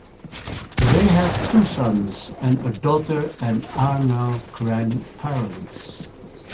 They have two sons and a daughter, and are now Grandparents.